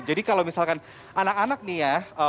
jadi kalau misalkan anak anak nih ya